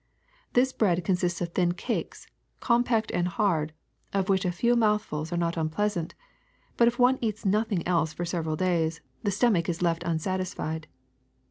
This bread consists of thin cakes, compact and hard, of which a few mouthfuls are not unpleas ant, but if one eats nothing else for several days the stomach is left unsatisfied.